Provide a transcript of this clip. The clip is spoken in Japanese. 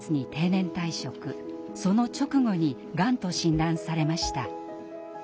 その直後にがんと診断されました。